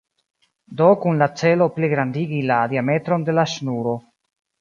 Do kun la celo pligrandigi la diametron de la ŝnuro.